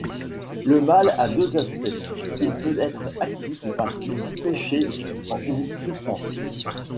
Le mal a deux aspects, il peut être actif ou passif, péché ou souffrance.